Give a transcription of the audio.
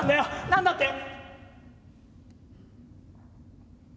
何だって？